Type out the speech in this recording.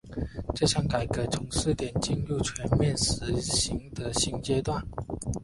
这项改革从试点进入了全面实行的新阶段。